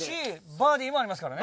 バーディーもありますからね。